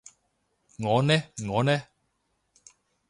我呢我呢？